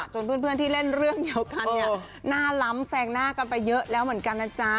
เพื่อนที่เล่นเรื่องเดียวกันเนี่ยหน้าล้ำแซงหน้ากันไปเยอะแล้วเหมือนกันนะจ๊ะ